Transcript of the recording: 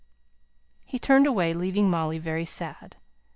He turned away, leaving Molly very sad.